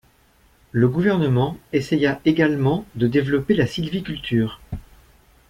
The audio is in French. Le gouvernement essaya également de développer la sylviculture.